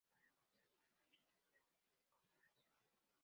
Para conservar nuestra independencia como nación.